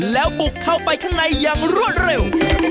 แล้วบุกเข้าไปข้างในอย่างรวดเร็ว